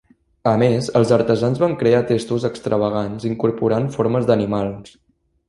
A més, els artesans van crear testos extravagants incorporant formes d'animals.